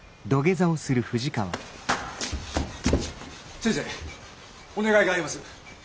先生お願いがあります！